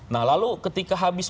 nah lalu ketika habis